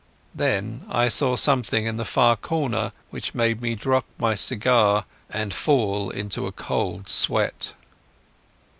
Then I saw something in the far corner which made me drop my cigar and fall into a cold sweat.